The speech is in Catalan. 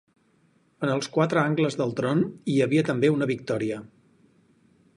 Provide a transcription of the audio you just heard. En els quatre angles del tron hi havia també una Victòria.